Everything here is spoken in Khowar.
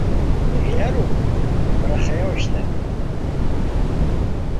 غیاروم بڑاڅھئے استانی